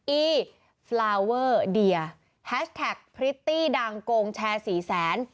อีฟลาเวอร์เดียแฮชแท็กพริตตี้ดังโกงแชร์สี่แสน